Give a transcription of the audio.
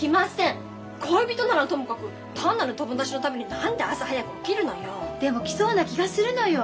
恋人ならともかく単なる友達のために何で朝早く起きるのよ。でも来そうな気がするのよ。